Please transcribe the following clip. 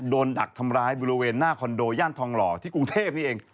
ดักทำร้ายบริเวณหน้าคอนโดย่านทองหล่อที่กรุงเทพนี่เอง